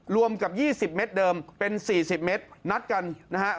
รวมกับ๒๐เมตรเดิมเป็น๔๐เมตรนัดกันนะฮะ